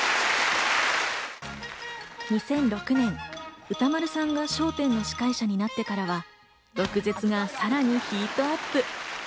２００６年、歌丸さんが『笑点』の司会者になってからは毒舌がさらにヒートアップ。